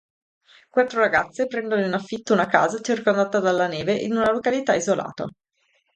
Quattro ragazze prendono in affitto una casa circondata dalla neve in una località isolata.